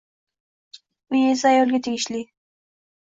Uy esa ayolga tegishli